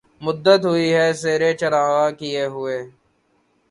مدّت ہوئی ہے سیر چراغاں کئے ہوئے